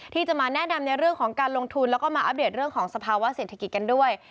ที่จะมาแนะนำในเรื่องของการลงทุนแล้วก็มาอัปเดตเรื่องของสภาวะเศรษฐกิจกันด้วย